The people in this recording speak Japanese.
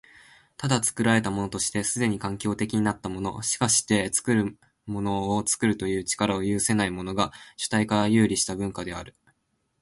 ただ、作られたものとして既に環境的となったもの、しかして作るものを作るという力を有せないものが、主体から遊離した文化である。